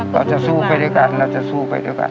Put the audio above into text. เราจะสู้ไปด้วยกันเราจะสู้ไปด้วยกัน